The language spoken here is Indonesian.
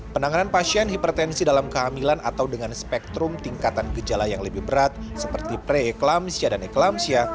penanganan pasien hipertensi dalam kehamilan atau dengan spektrum tingkatan gejala yang lebih berat seperti preeklampsia dan eklampsia